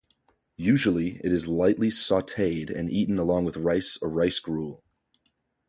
Usually it is lightly sauteed and eaten along with rice or rice gruel.